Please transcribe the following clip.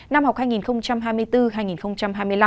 năm học hai nghìn hai mươi bốn hai nghìn hai mươi năm